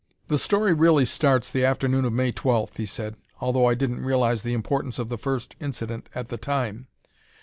"The story really starts the afternoon of May 12th," he said, "although I didn't realize the importance of the first incident at the time.